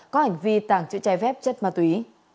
có hành vi tàng trữ trái phép chất ma túy